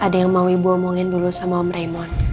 ada yang mau ibu omongin dulu sama om raimon